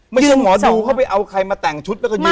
ไม่ใช่หมอดูเขาไปเอาใครมาแต่งชุดแล้วก็ยิง